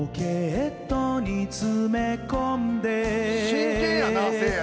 真剣やなせいや。